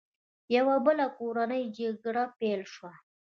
یوه بله کورنۍ جګړه پیل شوه.